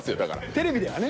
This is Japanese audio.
テレビではね。